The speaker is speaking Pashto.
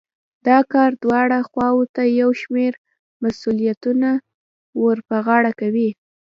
دا کار دواړو خواوو ته يو شمېر مسوليتونه ور په غاړه کوي.